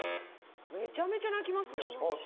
めちゃめちゃ泣きますよ。